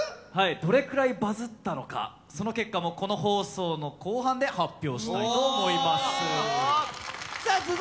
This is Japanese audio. はいどれくらいバズったのかその結果もこの放送の後半で発表したいと思いますさあ